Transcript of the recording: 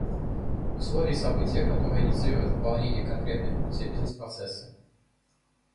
Условия и события, которые инициируют выполнение конкретных функций бизнес-процесса